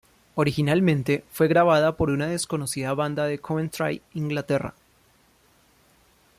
Originalmente fue grabada por una desconocida banda de Coventry, Inglaterra.